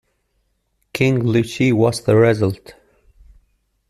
King Ly Chee was the result..